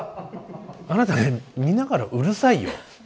あなたね見ながらうるさいよ。